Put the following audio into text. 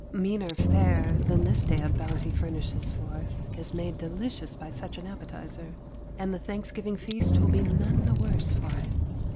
Meaner fare than this day of bounty furnishes forth is made delicious by such an appetizer, and the Thanksgiving feast will be none the worse for it.